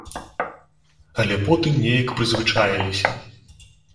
Але потым неяк прызвычаіліся.